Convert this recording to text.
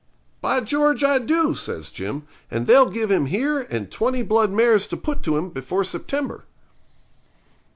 'By George, I do!' says Jim; 'and they'll have him here, and twenty blood mares to put to him, before September.'